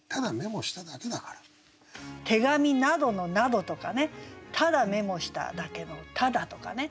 「手紙など」の「など」とかね「ただメモしただけ」の「ただ」とかね